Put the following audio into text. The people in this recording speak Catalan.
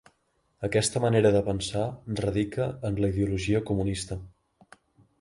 Aquesta manera de pensar radica en la ideologia comunista.